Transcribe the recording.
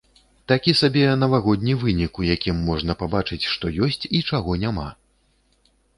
Такі сабе навагодні вынік, у якім можна пабачыць, што ёсць і чаго няма.